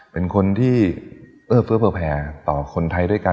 เป็นคนที่เผื่อแพร่ต่อคนไทยด้วยกัน